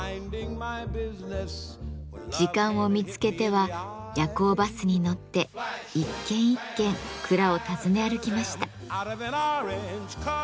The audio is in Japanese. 時間を見つけては夜行バスに乗って一軒一軒蔵を訪ね歩きました。